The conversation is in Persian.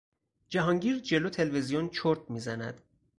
جهانگیر جلو تلویزیون چرت میزند.